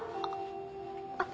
あっ。